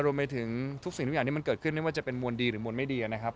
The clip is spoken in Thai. รวมไปถึงทุกสิ่งทุกอย่างที่มันเกิดขึ้นไม่ว่าจะเป็นมวลดีหรือมวลไม่ดีนะครับ